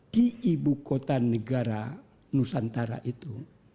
di ibu kota negara nusantara itu